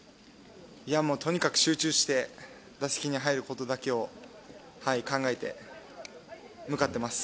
いやもう、とにかく集中して打席に入ることだけを考えて向かってます。